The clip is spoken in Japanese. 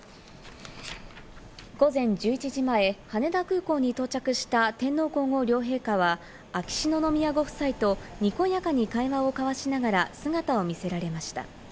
午前１１時前、羽田空港に到着した天皇皇后両陛下は、秋篠宮ご夫妻とにこやかに会話を交わしながら、姿を見せられました。